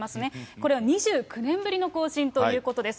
これは２９年ぶりの更新ということです。